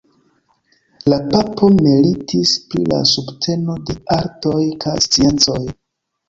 La papo meritis pri la subteno de artoj kaj sciencoj.